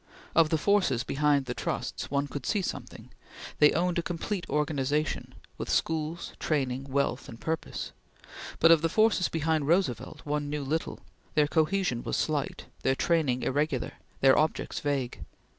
Of the forces behind the Trusts, one could see something; they owned a complete organization, with schools, training, wealth and purpose; but of the forces behind Roosevelt one knew little; their cohesion was slight; their training irregular; their objects vague.